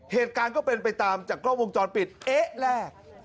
เหตุการณ์ก็เป็นไปตามจากกล้องวงจรปิดเอ๊ะแรก